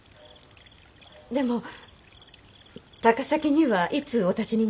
でも高崎にはいつおたちになるんですか？